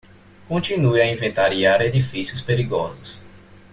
Continue a inventariar edifícios perigosos